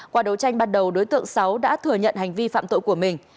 qua đấu tranh ban đầu đối tượng sáu đã thừa nhận hành vi phạm tội của mình